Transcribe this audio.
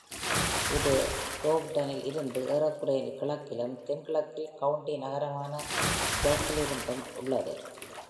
இது ஹோவ்டனில் இருந்து ஏறக்குறைய கிழக்கிலும், தென்கிழக்கில் கவுண்டி நகரமான யார்க்கிலிருந்தும் உள்ளது.